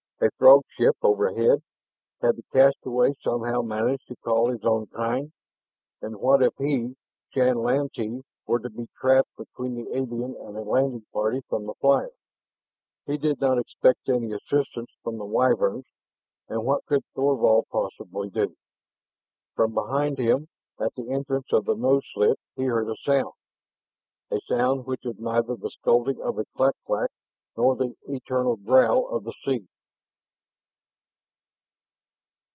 A Throg ship overhead.... Had the castaway somehow managed to call his own kind? And what if he, Shann Lantee, were to be trapped between the alien and a landing party from the flyer? He did not expect any assistance from the Wyverns, and what could Thorvald possibly do? From behind him, at the entrance of the nose slit, he heard a sound a sound which was neither the scolding of a clak clak nor the eternal growl of the sea.